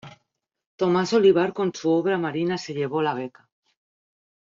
Tomás Olivar con su obra "Marina" se llevó la beca.